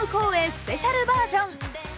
スペシャルバージョン。